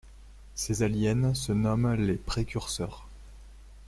Ces aliens se nomment les précurseurs.